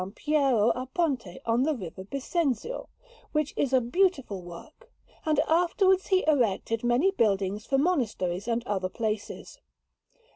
Piero a Ponte on the River Bisenzio, which is a beautiful work; and afterwards he erected many buildings for monasteries and other places.